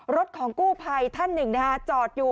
รถของกู้ภัยท่านหนึ่งนะฮะจอดอยู่